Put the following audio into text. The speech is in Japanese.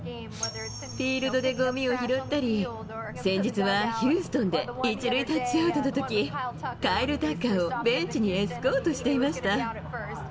フィールドでごみを拾ったり、先日はヒューストンで、１塁タッチアウトのとき、カイル・タッカーをベンチにエスコートしていました。